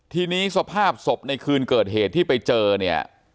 ทีนี้สภาพศพในคืนเกิดเหตุที่ไปเจอเนี่ย